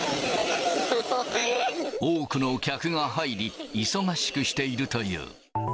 多くの客が入り、忙しくしているという。